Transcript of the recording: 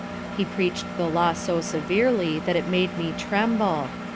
"_ he preached the law so severely, that it made me tremble.